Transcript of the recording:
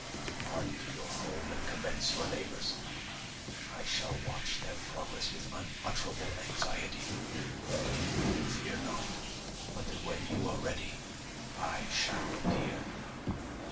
Depart to your home and commence your labours; I shall watch their progress with unutterable anxiety; and fear not but that when you are ready I shall appear."